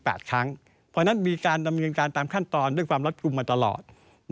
เพราะฉะนั้นมีการดำเนินการตามขั้นตอนด้วยความรัดกลุ่มมาตลอด